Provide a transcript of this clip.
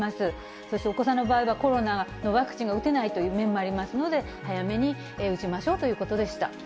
そして、お子さんの場合は、コロナのワクチンが打てないという面もありますので、早めに打ちましょうということでした。